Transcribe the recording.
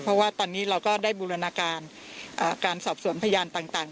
เพราะว่าตอนนี้เราก็ได้บูรณาการการสอบสวนพยานต่าง